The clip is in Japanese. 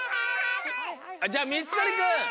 じゃあみつのりくん。